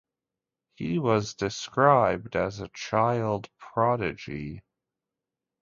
He was described as a child prodigy.